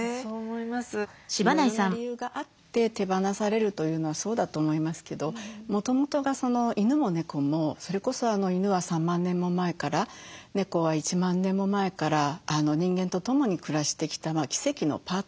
いろいろな理由があって手放されるというのはそうだと思いますけどもともとが犬も猫もそれこそ犬は３万年も前から猫は１万年も前から人間とともに暮らしてきた奇跡のパートナーなんですよね。